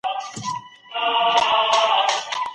موږ د جګړي له امله پېړۍ شاته ولاړو.